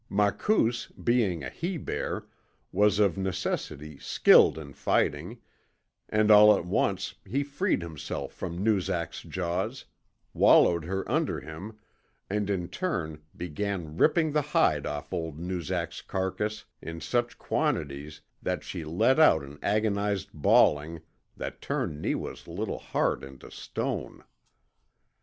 Makoos, being a he bear, was of necessity skilled in fighting, and all at once he freed himself from Noozak's jaws, wallowed her under him, and in turn began ripping the hide off old Noozak's carcass in such quantities that she let out an agonized bawling that turned Neewa's little heart into stone.